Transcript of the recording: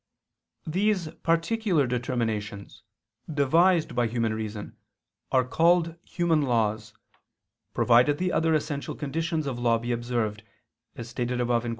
These particular determinations, devised by human reason, are called human laws, provided the other essential conditions of law be observed, as stated above (Q.